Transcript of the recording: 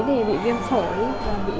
thì bị viêm phổi